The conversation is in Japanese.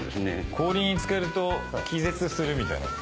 氷に漬けると気絶するみたいな。